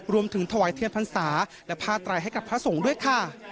รวมถึงถวายเทียนพรรษาและผ้าไตรให้กับพระสงฆ์ด้วยค่ะ